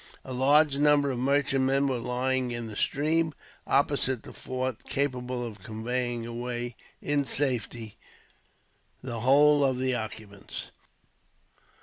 A large number of merchantmen were lying in the stream, opposite the fort, capable of conveying away in safety the whole of the occupants.